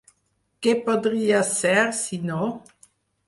Què podria ser si no?